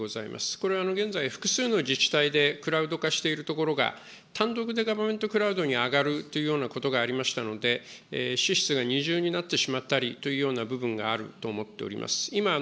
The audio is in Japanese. これは現在、複数の自治体でクラウド化している所が単独でガバメントクラウドに上がるというようなことがありましたので、支出が二重になってしまったりという部分があると思っております。